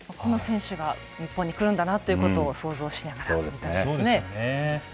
こんな選手が日本に来るんだなということを注目しながら観戦したいですね。